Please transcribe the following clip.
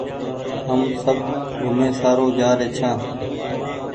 هم سب گھومي سآرو جآري ڇآن